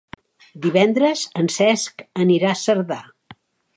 Divendres en Cesc anirà a Cerdà.